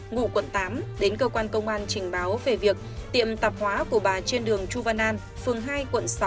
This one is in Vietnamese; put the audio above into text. ngụ quận tám đến cơ quan công an trình báo về việc tiệm tạp hóa của bà trên đường chu văn an phường hai quận sáu